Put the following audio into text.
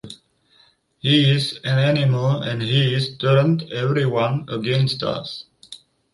He's an animal, and he's turned everyone against us.